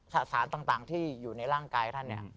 สารต่างที่อยู่ในร่างกายท่านเนี่ย